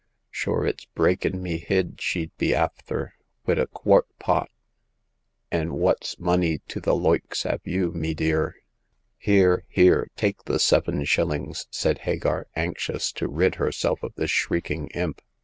Sure, it's breakin' me hid she'd be afther, wid a quart pot ! An' what's money to the loikes av you, me dear ?"Here— here ! take the seven shillings !" said Hagar, anxious to rid herself of this shrieking imp.